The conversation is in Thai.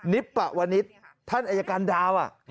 นิปปะวนิทท่านอายการดาว่ะ